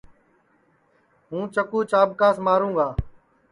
ہوں چکُو چاٻکاس ماروں گا